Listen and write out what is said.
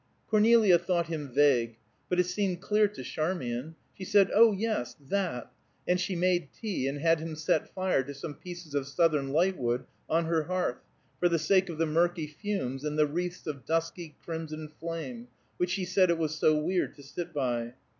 Cornelia thought him vague, but it seemed clear to Charmian. She said, "Oh, yes; that," and she made tea, and had him set fire to some pieces of Southern lightwood on her hearth, for the sake of the murky fumes and the wreaths of dusky crimson flame, which she said it was so weird to sit by.